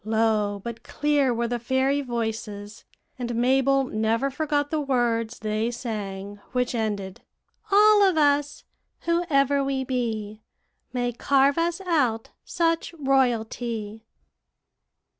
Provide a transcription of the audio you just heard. Low but clear were the fairy voices; and Mabel never forgot the words they sang, which ended, 'All of us, whoe'er we be, May carve us out such royalty.'"